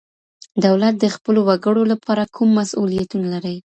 دولت د خپلو وګړو لپاره کوم مسؤوليتونه لري؟